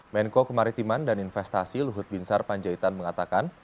menko kemaritiman dan investasi luhut binsar panjaitan mengatakan